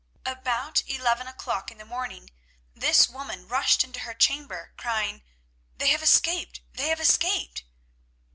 About eleven o'clock in the morning this woman rushed into her chamber crying, "They have escaped! They have escaped!"